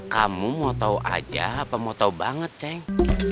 kamu mau tahu aja apa mau tau banget ceng